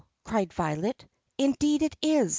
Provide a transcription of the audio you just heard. cried Violet. "Indeed it is!"